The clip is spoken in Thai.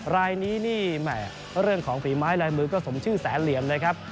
รายนี้นี่แหม่เรื่องของฝีไม้ลายมือก็สมชื่อแสนเหลี่ยมเลยครับ